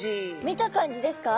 見た感じですか？